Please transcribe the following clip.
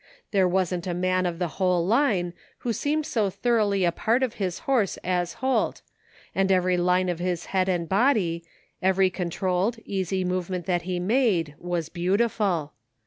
There wasn't a man of the whole line who seemed so thoroughly a part of his horse as Holt, and every line of his head and body, every controlled, easy movement that he made was beautiful.